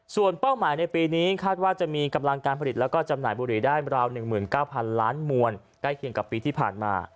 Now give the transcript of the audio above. ส่วนเป้าหมายในปีนี้คาดว่าจะมีกำลังการผลิตแล้วก็จำหน่ายบุหรี่ได้ราว๑๙๐๐ล้านมวลใกล้เคียงกับปีที่ผ่านมา